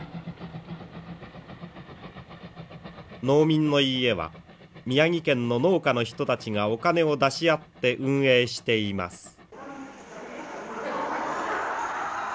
農民の家は宮城県の農家の人たちがお金を出し合って運営しています。